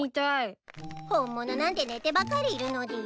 本物なんて寝てばかりいるのでぃす。